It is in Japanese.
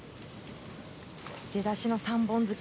出だしの三本突き